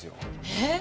えっ！？